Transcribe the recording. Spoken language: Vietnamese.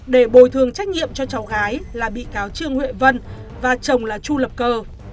để bồi thường trách nhiệm cho cháu gái là bị cáo trương huệ vân và chồng là chu lập cơ